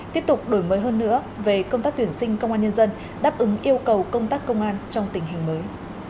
tiếp tục đổi mới hơn nữa về công tác tuyển sinh công an nhân dân đáp ứng yêu cầu công tác công an trong tình hình mới